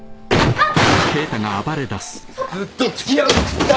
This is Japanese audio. あっ！